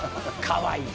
かわいい。